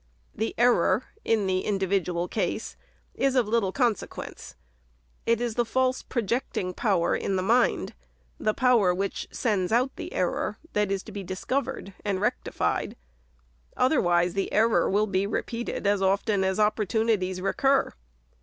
The error in the individual case is of little con sequence. It is the false projecting power in the mind, — the power which sends out the error, — that is to be dis covered and rectified ; otherwise the error will be re peated as often as opportunities recur.